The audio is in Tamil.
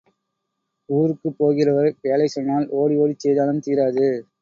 ஊருக்குப் போகிறவர் வேலை சொன்னால் ஓடி ஓடிச் செய்தாலும் தீராது.